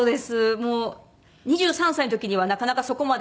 もう２３歳の時にはなかなかそこまで。